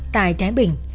tại thái bình